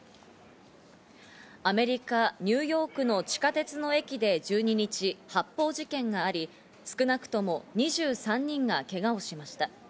アメリカ・ニューヨークの地下鉄の駅で１２日、発砲事件があり、少なくとも２３人がけがをしました。